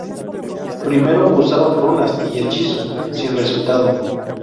Primero usaron runas y hechizos, sin resultado.